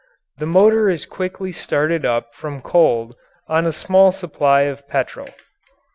The motor is quickly started up from cold on a small supply of petrol.